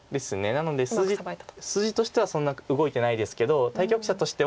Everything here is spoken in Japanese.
なので筋としてはそんな動いてないですけど対局者としては右辺